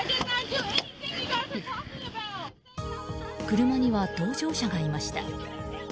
車には同乗者がいました。